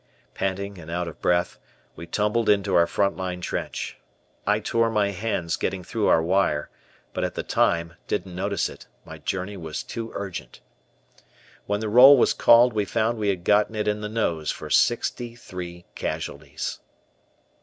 Panting and out of breath, we tumbled into our front line trench. I tore my hands getting through our wire, but, at the time, didn't notice it; my journey was too urgent. When the roll was called we found that we had gotten it in the nose for sixty three casualties.